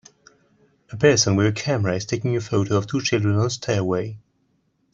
A person with a camera is taking a photo of two children on the stairway